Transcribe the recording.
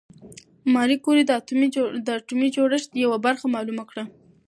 ماري کوري د اتومي جوړښت یوه برخه معلومه کړه.